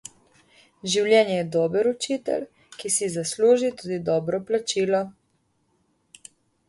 Življenje je dober učitelj, ki si zasluži tudi dobro plačilo.